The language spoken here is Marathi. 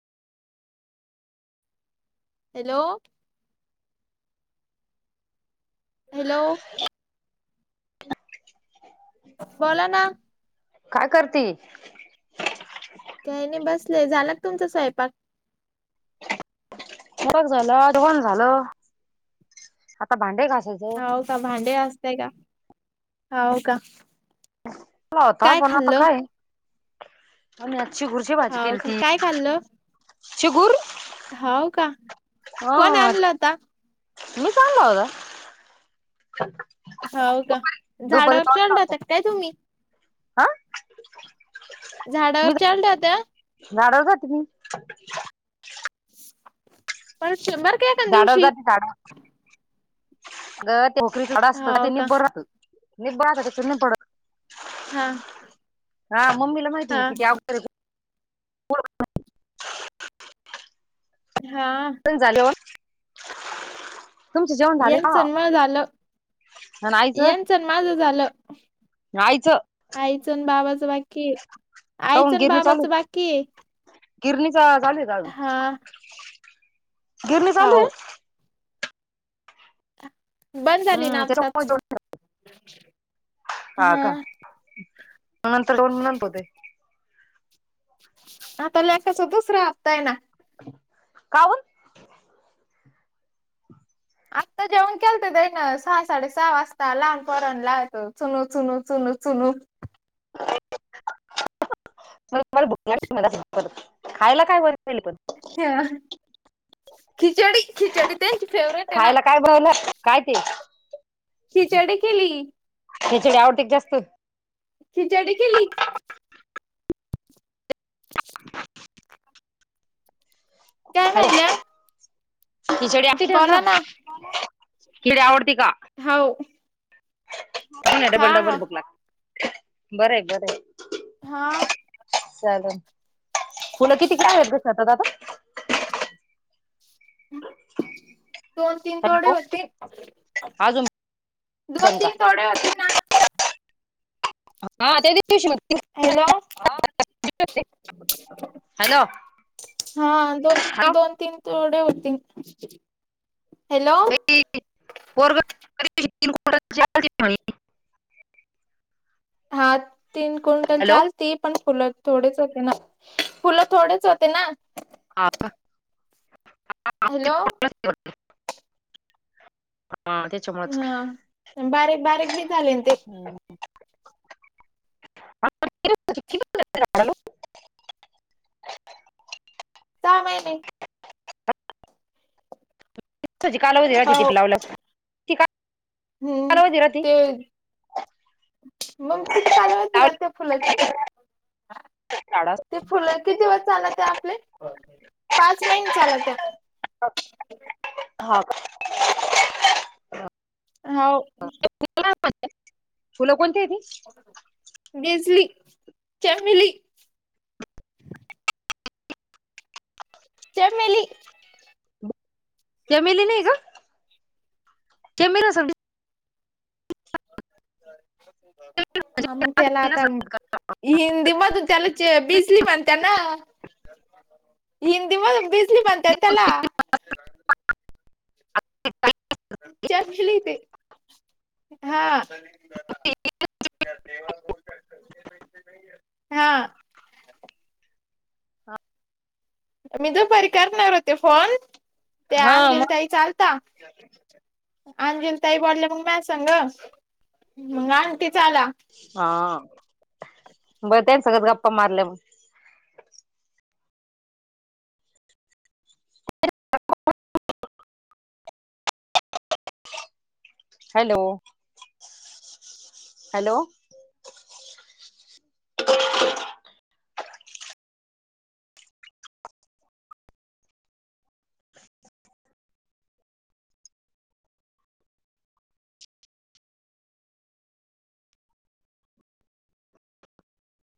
हॅलो. हॅलो. [inaudible] बोला ना. काय करती? काही नाही बसले. झाला का तुमचा स्वयंपाक? करून झालं, जेवूण झालं, आता भांडे घास- हाव का भांडे घासतंय का? हाव का. [unintelligible] काय पण आता खाल्लं काय हे शेगुरची भाजी हाव केल का ती. काय खाल्लं शुगुर? हाव अ का. कोण हां आणलं होता [inaudible] मी सागला होता. हाव का, दुपारी झाडावर तो आणला चढल्या होत्या होता काय तुम्ही? हा झाडावर मी चढल्या होत्या? झाडावर जाते मी. [inaudible] पण शिमर. झाडा वर जाते झाडा वर [inaudible] अग ते पिंपरीच झाड असतं ते हाव का निब्बर असल. निब्बर [unintelligible] [inaudible] हा. हां मम्मीला माहितीय हा किती अवघड हा. झाले वर, तुमचे जेवण झाले ना? यांचं न माझं झालं अन आईचं, यांचं न माझं झालं आईचं? आईचं अन बाबाचं बाकी आहे, काऊन आईचं अन गिरणी चालू बाबाचं बाकी आहे. गिरणीचा चालू आहे का अजून? हा गिरणी चालू हाव आहे? बंद झाली ना हम्म त्याच्यामुळे आताच जेवण हा. नंतर दोन [unintelligible] आता लेकाचा दुसरा हप्ता आहे ना. काऊन? आत्ता जेवण केलत तेईनं सहा, साडे सहा वाजता लहान पोरांना लावितो चुनू, चुनू, चुनू, चुनू. मला भुक लाग. [unintelligible] खायला काय बर. हा [unintelligible] खिचडी, खिचडी त्यांची फेवरेट ए ना. खायला काय बनवलं काय ते खिचडी केली. खिचड आवडते का जास्त? खिचडी केली. [inaudible] [unintelligible] काय हॅलो. म्हणल्या खिचडी लागती त्यांना, बोला ना खिचडी आवडती का? हाव. हा डबल, हा डबल भूक लागती बराय, बरय. हां. चालल मुल किती वेळ [unintelligible] दोन, तीन तोडे हॅलो होते. अजून दोन, पण का तीन तोडे होते ना हा त्या दिवशी म्हणते हॅलो, हां. हॅलो हां दोन, हॅलो दोन, तीन तोडे होते, हॅलो. [inaudible] [unintelligible] हा तीन कुंटलचे हॅलो आल ती पण फुलं थोडीच होती ना फुलं थोडीच होते ना. [inaudible] हॅलो. [inaudible] काय म्हणतेस? हं, पण, बारीक बारीक बी चाललवते. [unintelligible] [unintelligible] [unintelligible] त्याजी कालावधी हो राहते. [unintelligible] ती हम्म, कालावधी राहते ते मंग किती कालावधी लावली राहती फुलाची? झाडं ते फुलं, किती दिवस चालते आपले? पाच महिने. पाच महिने चालत्यात. हां, काय? हाव. [unintelligible] फुलं कोणती हायती? बिजली, चमबेली. चमेली. चमेली नाही गं. चमेर असल. [unintelligible] हा, मंग त्याला आता, हिंदी मधून त्याला बिजली म्हण त्यांन हिंदी मधुन बिजली म्हणत्यात त्याला. चपली ते. हां हां मी दुपारी करणार होते फोन. त्या हा अंजली मग ताईचा आ लता. अंजली ताई बोल्ल्या मग माया संग, मग आंटीचा आला. हां, बरं त्यांच्यागच गप्पा मारल्या मग. Hello, hello.